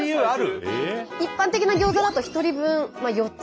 一般的なギョーザだと１人分４つ。